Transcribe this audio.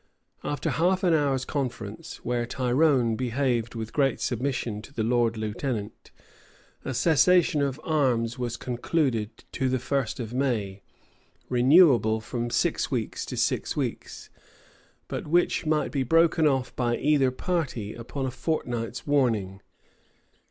After half an hour's conference, where Tyrone behaved with great submission to the lord lieutenant, a cessation of arms was concluded to the first of May, renewable from six weeks to six weeks; but which might be broken off by either party upon a fortnight's warning.